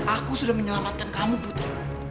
aku sudah menyelamatkan kamu putri